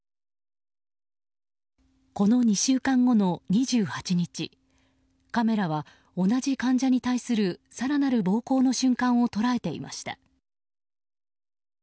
この２週間後の２８日カメラは、同じ患者に対する更なる暴行の瞬間を捉えていました。